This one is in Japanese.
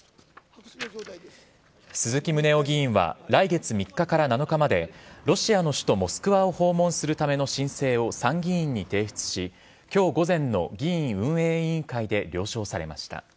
鈴木宗男議員は来月３日から７日までロシアの首都・モスクワを訪問するための申請を参議院に提出し今日午前の議院運営委員会で了承されました。